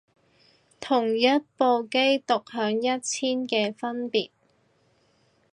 同一部機獨享一千嘅分別